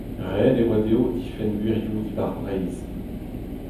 Ret e oa dezho difenn gwirioù dibar Breizh.